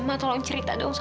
ma tolong beritahu ibu ya